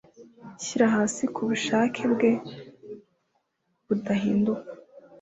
shyira hasi kubushake bwe budahinduka